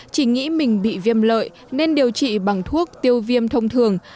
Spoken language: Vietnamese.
chỉ nghĩ mình bị viêm lợi nên điều trị bằng thuốc tiêu viêm thông thường